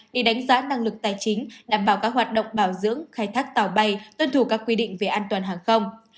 để đánh giá năng lực tài chính đảm bảo các hoạt động bảo dưỡng khai thác tàu bay tuân thủ các quy định về an toàn hàng không